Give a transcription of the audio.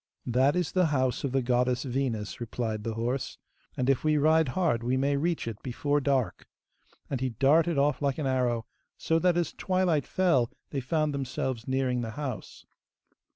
'That is the house of the goddess Venus,' replied the horse, 'and if we ride hard we may reach it before dark'; and he darted off like an arrow, so that as twilight fell they found themselves nearing the house.